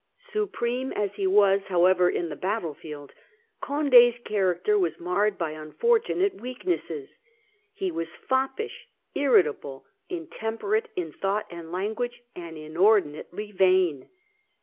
Supreme as he was however in the battlefield, Condd's character was marred by unfortunate weaknesses : he was foppish, irritable, intemperate in thought and language, and inordinately vain.